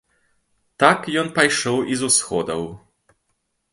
Так ён пайшоў і з усходаў.